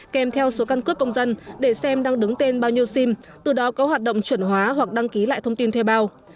kèm theo số căn cước công dân để xem đang đứng tên bao nhiêu sim từ đó có hoạt động chuẩn hóa hoặc đăng ký lại thông tin thuê bao